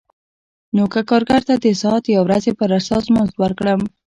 نو که کارګر ته د ساعت یا ورځې پر اساس مزد ورکړم